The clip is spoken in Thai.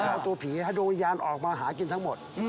เอาตัวผีให้ดวงวิญญาณออกมาหากินทั้งหมด